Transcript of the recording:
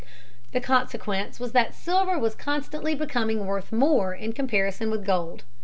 The consequence was that silver was constantly becoming worth more in comparison with gold.